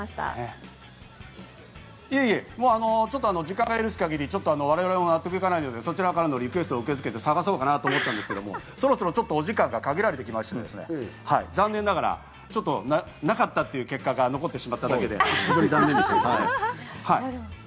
時間が許す限り、我々も納得がいかないので、そちらのリクエストを受けて探そうかなと思ったんですが、そろそろお時間が限られて来まして、残念ながら「なかった」という結果が残ってしまって残念でした。